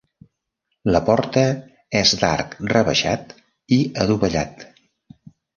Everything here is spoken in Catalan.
La porta és d'arc rebaixat i adovellat.